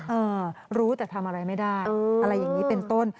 เออรู้แต่ทำอะไรไม่ได้อะไรอย่างนี้เป็นต้น